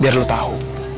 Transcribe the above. biar lu tau